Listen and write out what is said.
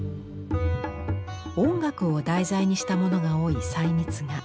音楽を題材にしたものが多い細密画。